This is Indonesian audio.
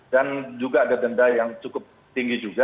dan juga ada denda yang cukup tinggi juga